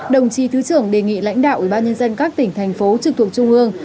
đồng chí thứ trưởng đề nghị lãnh đạo ủy ban nhân dân các tỉnh thành phố trực thuộc trung ương